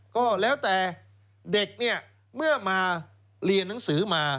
ก็แล้วแต่เด็กเนี่ยเมื่อมาเรียนหนังสือมา